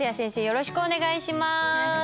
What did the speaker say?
よろしくお願いします。